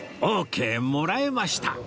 オーケーもらえました